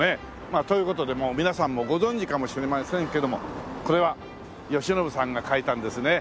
まあという事でもう皆さんもご存じかもしれませんけどもこれはよしのぶさんが書いたんですね。